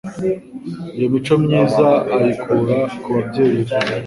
Iyo mico myiza ayikura kubabyeyi be.